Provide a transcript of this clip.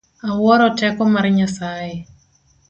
Awuoro teko mar Nyasaye.